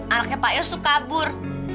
anaknya pak yos itu kabur